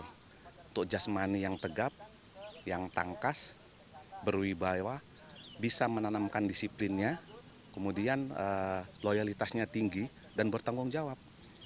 untuk jasmani yang tegap yang tangkas berwibawa bisa menanamkan disiplinnya kemudian loyalitasnya tinggi dan bertanggung jawab